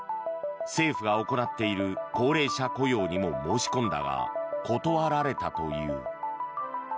政府が行っている高齢者雇用にも申し込んだが断られたという。